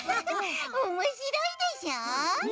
おもしろいでしょ！